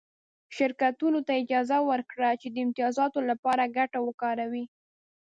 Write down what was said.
شرکتونو ته یې اجازه ورکړه چې د امتیازاتو لپاره ګټه وکاروي